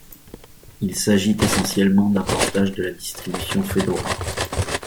Il s'agit essentiellement d'un portage de la distribution Fedora.